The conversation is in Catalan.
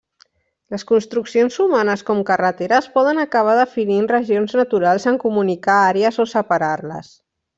Les construccions humanes com carreteres poden acabar definint regions naturals en comunicar àrees o separar-les.